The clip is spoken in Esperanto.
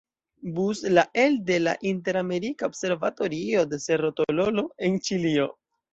Bus la elde la Inter-Amerika observatorio de Cerro Tololo en Ĉilio.